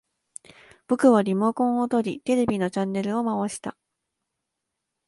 僕はリモコンを取り、テレビのチャンネルを回した